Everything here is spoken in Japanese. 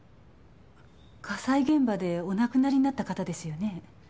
火災現場でお亡くなりになった方ですよね？